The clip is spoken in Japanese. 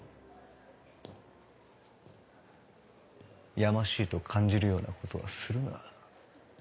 やましいと感じるような事はするな。